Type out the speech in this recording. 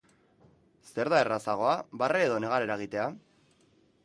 Zer da errazagoa, barre edo negar eragitea?